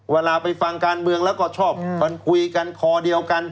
เวลาไปฟังการเมืองแล้วก็ชอบคุยกันคอเดียวกัน